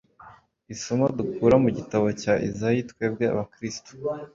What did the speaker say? Isomo dukura mu gitabo cya Izayi twebwe Abakristu